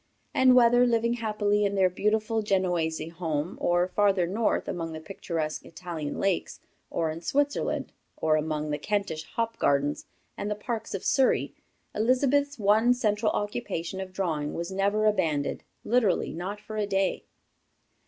And whether living happily in their beautiful Genoese home, or farther north among the picturesque Italian lakes, or in Switzerland, or among the Kentish hop gardens and the parks of Surrey, Elizabeth's one central occupation of drawing was never abandoned, literally not for a day."